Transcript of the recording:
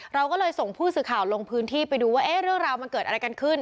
เราก็เลยส่งผู้สื่อข่าวลงพื้นที่ไปดูว่าเรื่องราวมันเกิดอะไรกันขึ้น